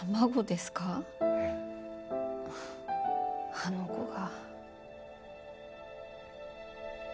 あの子が。